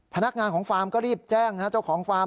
พนักงานของฟาร์มก็รีบแจ้งเจ้าของฟาร์ม